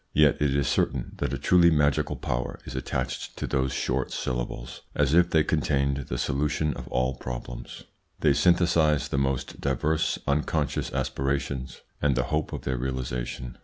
Yet it is certain that a truly magical power is attached to those short syllables, as if they contained the solution of all problems. They synthesise the most diverse unconscious aspirations and the hope of their realisation.